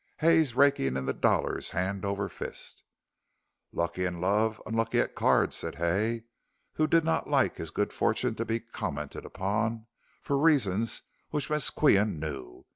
"Hay's raking in the dollars hand over fist." "Lucky in love, unlucky at cards," said Hay, who did not like his good fortune to be commented upon, for reasons which Miss Qian knew.